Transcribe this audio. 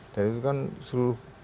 dan itu kan seluruh